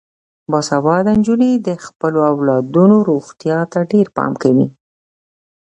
باسواده نجونې د خپلو اولادونو روغتیا ته ډیر پام کوي.